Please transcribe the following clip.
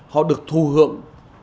họ được thù hưởng